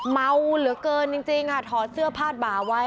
เมาเหลือเกินจริงค่ะถอดเสื้อผ้าบ่าไว้